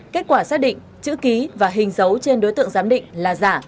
kết quả xác định chữ ký và hình dấu trên đối tượng giám định là giả